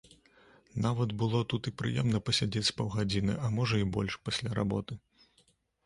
Нават было тут і прыемна пасядзець з паўгадзіны, а можа і больш, пасля работы.